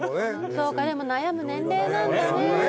そうかでも悩む年齢なんだね。